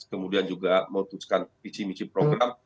kemudian juga memutuskan visi misi program